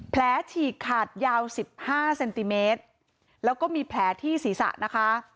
ฉีกขาดยาว๑๕เซนติเมตรแล้วก็มีแผลที่ศีรษะนะคะ